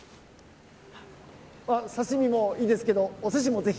刺し身もいいですけどおすしもぜひ。